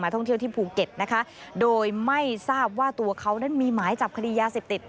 ท่องเที่ยวที่ภูเก็ตนะคะโดยไม่ทราบว่าตัวเขานั้นมีหมายจับคดียาเสพติด